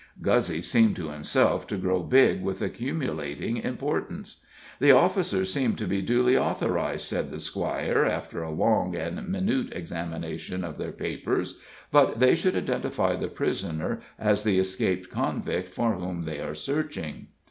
Guzzy seemed to himself to grow big with accumulating importance. "The officers seem to be duly authorized," said the squire, after a long and minute examination of their papers; "but they should identify the prisoner as the escaped convict for whom they are searching."